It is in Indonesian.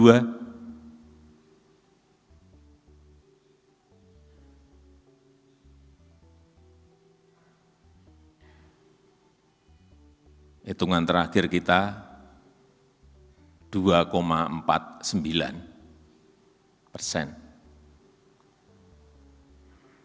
hitungan terakhir kita dua empat puluh sembilan persen